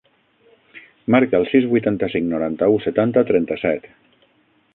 Marca el sis, vuitanta-cinc, noranta-u, setanta, trenta-set.